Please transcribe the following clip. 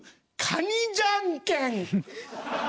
カニじゃんけん。